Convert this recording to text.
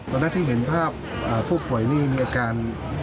ตอนนั้นที่เห็นภาพผู้ป่วยนี่มีอาการ